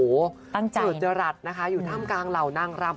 หวังตั้งใจโดยเจรัจนะคะอยู่ถ้ำกลางเหล่านางลำ